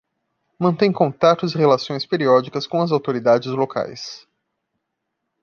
Mantém contatos e relações periódicas com as autoridades locais.